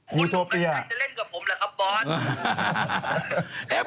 คุณกำลังจะเล่นกับผมเหรอครับบอส